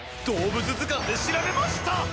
動物図鑑で調べました！